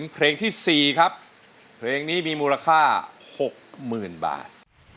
เพลงนี้มีมูลค่า๖๐๐๐๐บาท